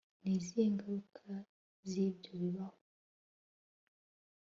Ni izihe ngaruka zibyo bibaho